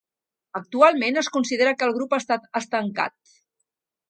Actualment es considera que el grup està estancat.